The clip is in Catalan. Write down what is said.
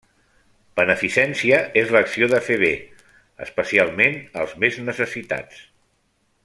Beneficència és l'acció de fer bé, especialment als més necessitats.